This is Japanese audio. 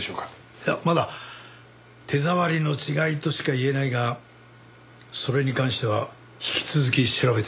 いやまだ手触りの違いとしか言えないがそれに関しては引き続き調べてみる。